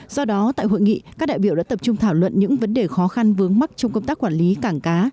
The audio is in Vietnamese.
do đó tại hội nghị các đại biểu đã tập trung thảo luận những vấn đề khó khăn vướng mắt trong công tác quản lý cảng cá